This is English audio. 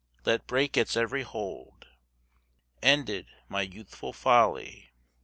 Let break its every hold! Ended my youthful folly!